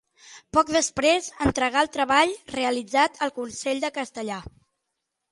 Poc després entrega el treball realitzat al Consell de Castella.